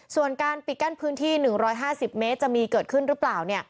ส่วนการปิดกั้นพื้นที่๑๕๐เมตรจะมีเกิดขึ้นหรือเปล่า